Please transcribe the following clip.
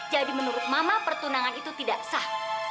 jadi menurut mama pertunangan itu tidak sah